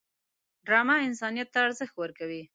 ډرامه انسانیت ته ارزښت ورکوي